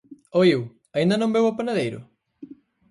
Oíu, aínda non veu o panadeiro?